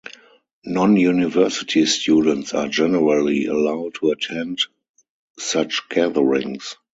Non-university students are generally allowed to attend such gatherings.